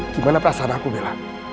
gimana perasaan aku bella